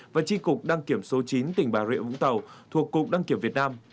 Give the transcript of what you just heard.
và tri cục đăng kiểm số chín tỉnh bà rịa vũng tàu thuộc cục đăng kiểm việt nam